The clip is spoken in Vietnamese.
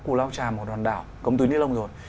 cù lao trà một hòn đảo cấm túi nilon rồi